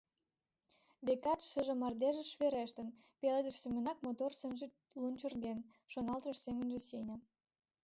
«Векат, шыже мардежыш верештын, пеледыш семынак мотор сынже лунчырген?» — шоналтыш семынже Сеня.